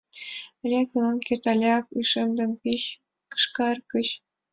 Лектын ом керт алят ушем ден пич кышкар гыч.